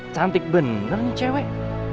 cantik bener nih cewek